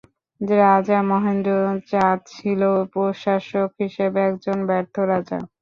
রাজা মহেন্দ্র চাঁদ ছিলেন প্রশাসক হিসেবে একজন ব্যর্থ রাজা।